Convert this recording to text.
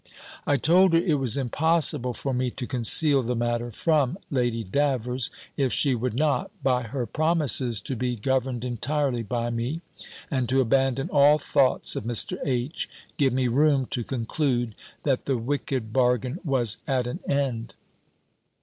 I told her, it was impossible for me to conceal the matter from Lady Davers, if she would not, by her promises to be governed entirely by me, and to abandon all thoughts of Mr. H., give me room to conclude, that the wicked bargain was at an end.